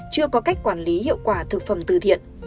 chưa có cách quản lý hiệu quả thực phẩm từ thiện